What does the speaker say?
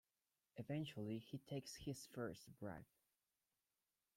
Eventually he takes his first bribe.